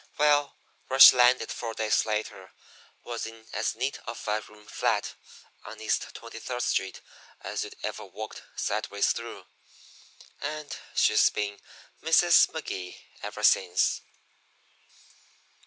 Well, where she landed four days later was in as neat a five room flat on East Twenty third Street as you ever walked sideways through and she's been Mrs. Magee ever since."